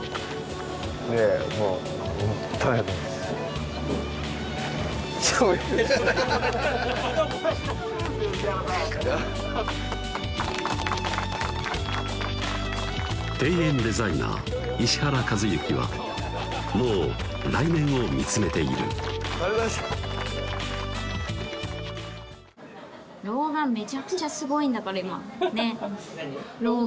もうホントにありがとうございます庭園デザイナー・石原和幸はもう来年を見つめているありがとうございました老眼めちゃくちゃすごいんだから今ね！